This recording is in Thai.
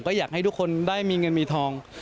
ก็หักให้ทุกคนมีหนึ่งเงินทอง